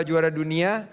kita juga juara dunia